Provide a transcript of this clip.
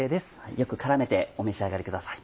よく絡めてお召し上がりください。